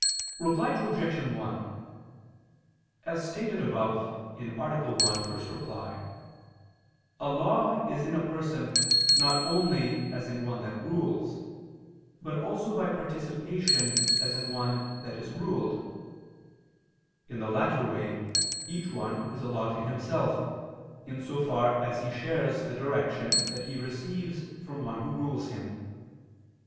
Reply Obj. 1: As stated above (A. 1, ad 1), a law is in a person not only as in one that rules, but also by participation as in one that is ruled. In the latter way each one is a law to himself, in so far as he shares the direction that he receives from one who rules him.